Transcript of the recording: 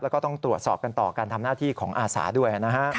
แล้วก็ต้องตรวจสอบกันต่อการทำหน้าที่ของอาสาด้วยนะฮะ